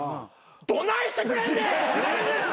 どないしてくれんねん！